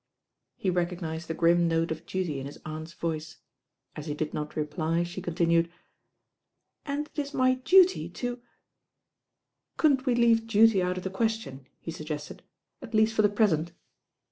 He recognised the grim note of duty in his aunt'» voice. As he did not reply she continued: "And it is my duty to "^ "Couldn't we leave duty out of the question," he suggested, "at least for the present?"